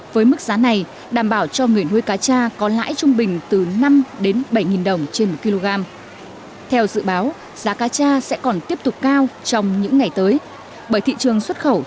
với mức giá này đảm bảo cho các doanh nghiệp chế biến xuất khẩu